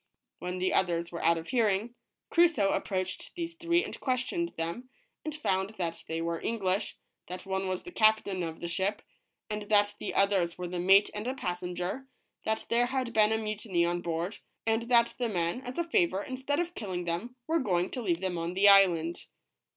When the others were out of hearing, Crusoe approached these three and ques tioned them, and found that they were English, that one was the captain of the ship, and that the others were the mate and a passenger, that there had been a mutiny on board, and that the men, as a favor, instead of killing them, were going to leave them on the island.